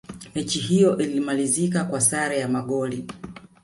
mechi hiyo ilimalizika kwa sare ya magoli